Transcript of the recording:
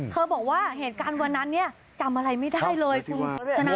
บอกว่าเหตุการณ์วันนั้นเนี่ยจำอะไรไม่ได้เลยคุณชนะ